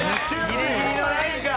ギリギリのラインか。